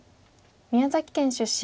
宮崎県出身。